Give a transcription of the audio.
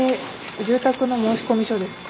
住宅の申込書ですか？